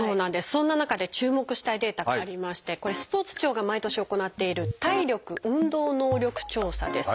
そんな中で注目したいデータがありましてスポーツ庁が毎年行っている「体力・運動能力調査」です。